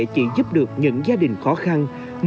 chỉ giúp được những gia đình khó khăn